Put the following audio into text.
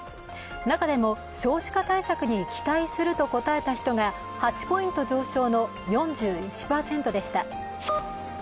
中でも少子化対策に期待すると答えた人が８ポイント上昇の４１％でした。